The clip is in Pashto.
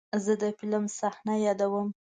زه د فلم صحنه یادوم.